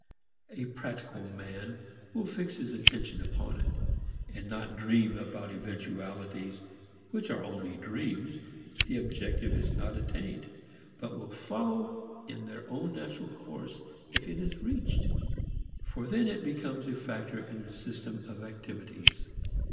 A practical man will fix his attention upon it, and not dream about eventualities which are only dreams if the objective is not attained, but which will follow in their own natural course if it is reached. For then it becomes a factor in the system of activities.